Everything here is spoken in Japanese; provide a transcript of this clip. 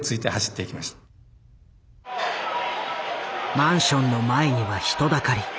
マンションの前には人だかり。